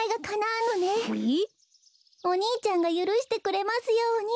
お兄ちゃんがゆるしてくれますように。